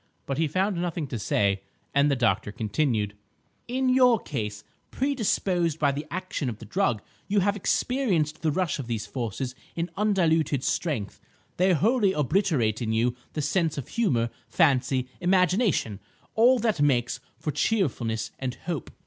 But he found nothing to say, and the doctor continued— "In your case, predisposed by the action of the drug, you have experienced the rush of these forces in undiluted strength. They wholly obliterate in you the sense of humour, fancy, imagination,—all that makes for cheerfulness and hope.